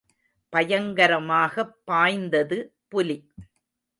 பயங்கரமாகப் பாய்ந்தது புலி.